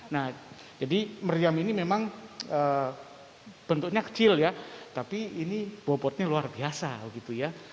nah jadi meriam ini memang bentuknya kecil ya tapi ini bobotnya luar biasa gitu ya